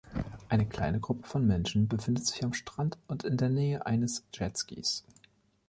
Eine kleine Gruppe von Menschen befindet sich am Strand und in der Nähe eines Jetskis.